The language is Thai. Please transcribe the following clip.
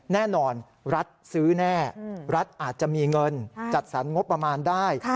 แน่นอนรัฐซื้อแน่รัฐอาจจะมีเงินจัดสรรงบประมาณได้